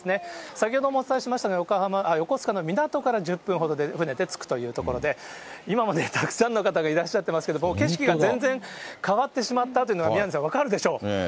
先ほどもお伝えしましたが、横須賀の港から１０分ほどで、船で着くというところで、今もたくさんの方がいらっしゃってますけど、景色が全然変わってしまったというのが、宮根さん、分かるでしょう。